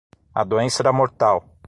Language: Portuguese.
A doença era mortal.